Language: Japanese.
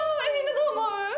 どう思う？